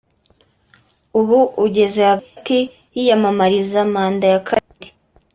ubu ugeze hagati yiyamamariza manda ya kabiri